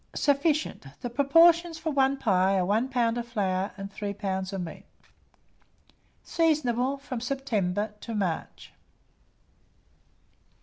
Sufficient. The proportions for 1 pie are 1 lb. of flour and 3 lbs. of meat. Seasonable from September to March.